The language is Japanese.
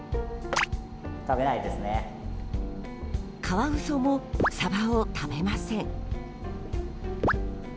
カワウソもサバを食べません。